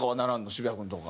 渋谷君とか。